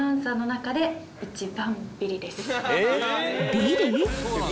ビリ？